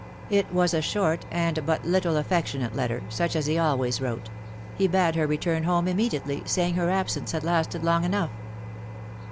It was a short, and but little aifectionate letter, such as he always wrote; he bade her return home immediately, saying her absence had lasted long enough.